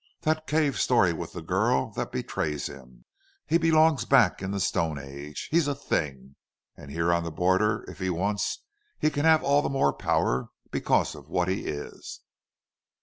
That cave story with the girl that betrays him. He belongs back in the Stone Age. He's a thing.... And here on the border, if he wants, he can have all the more power because of what he is."